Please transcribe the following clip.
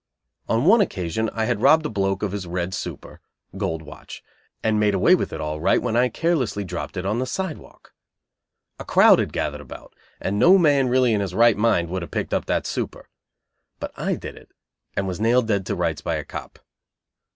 On one occasion I had robbed a "bloke" of his "red super" (gold watch), and made away with it all right, when I carelessly dropped it on the sidewalk. A crowd had gathered about, and no man really in his right mind, would have picked up that super. But I did it, and was nailed dead to rights by a "cop."